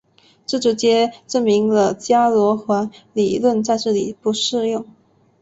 这直接证明了伽罗华理论在这里不适用。